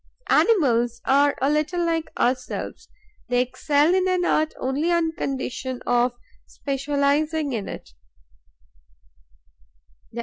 Animals are a little like ourselves: they excel in an art only on condition of specializing in it.